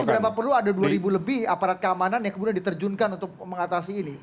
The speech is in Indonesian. tapi seberapa perlu ada dua lebih aparat keamanan yang kemudian diterjunkan untuk mengatasi ini